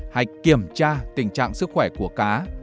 hay kiểm tra tình trạng sức khỏe của cá